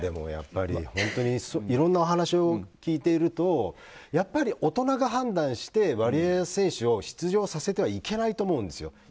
でも、いろいろなお話を聞いているとやっぱり大人が判断してワリエワ選手を出場させてはいけないと思うんですよ。